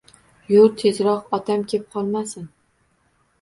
— Yur, tezroq, otam kep qolmasin!